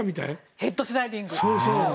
ヘッドスライディング。